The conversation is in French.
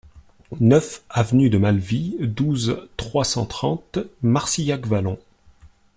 neuf avenue de Malvies, douze, trois cent trente, Marcillac-Vallon